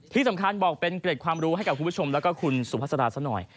ที่สำคัญบอกเป็นเกร็ดความรู้ให้กับคุณผู้ชมแล้วก็คุณสุภาษาซะหน่อย